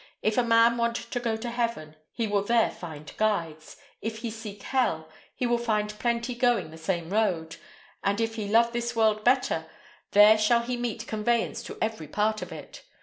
If a man want to go to heaven, he will there find guides; if he seek hell, he will find plenty going the same road; and if he love this world better, there shall he meet conveyance to every part of it.